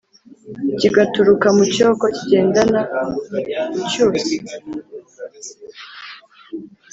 Kigaturuka mu cyoko kigendana icyusa